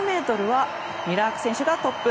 ５０ｍはミラーク選手がトップ。